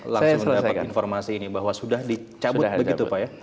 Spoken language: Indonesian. langsung mendapat informasi ini bahwa sudah dicabut begitu pak ya